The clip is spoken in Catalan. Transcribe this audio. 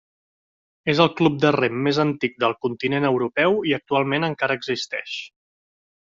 És el club de rem més antic del continent europeu i actualment encara existeix.